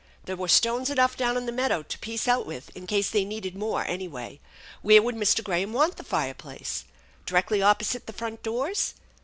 There were stones enough down in the meadow to piece out with in case they needed more, anyway. Where would Mr. Graham want the fire place? Directly opposite the front doors?